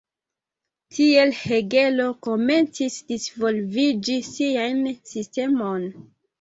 Tiel Hegelo komencis disvolviĝi sian sistemon.